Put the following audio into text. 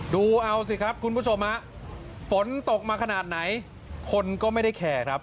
ดูเอาสิครับคุณผู้ชมฮะฝนตกมาขนาดไหนคนก็ไม่ได้แคร์ครับ